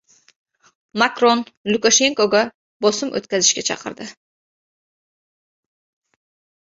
Makron Lukashenkoga bosim o‘tkazishga chaqirdi